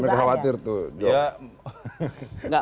mereka khawatir tuh